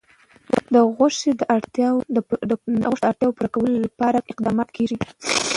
د غوښې د اړتیاوو پوره کولو لپاره اقدامات کېږي.